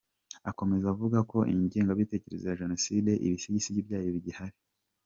Akomeza avuga ko ingengabitekerezo ya Jenoside ibisigisigi byayo bigihari.